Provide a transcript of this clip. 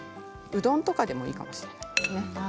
うどんとかでもいいかもしれませんね。